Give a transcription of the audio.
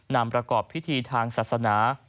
นำประกอบพิธีทางศาสนา